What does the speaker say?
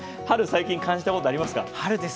春、最近感じたことありますか？